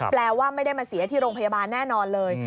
แปลว่าไม่ได้มาเสียที่โรงพยาบาลแน่นอนเลย